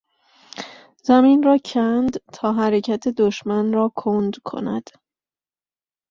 زمین را کند تا حرکت دشمن را کند کند